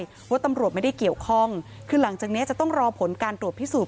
เพราะว่าตำรวจไม่ได้เกี่ยวข้องคือหลังจากเนี้ยจะต้องรอผลการตรวจพิสูจน